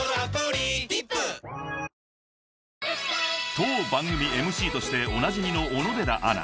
［当番組ＭＣとしておなじみの小野寺アナ］